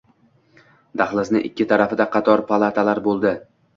Dahlizni ikki tarafida qator palatalar bo‘ldi.